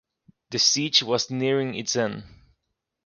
The siege was nearing its end.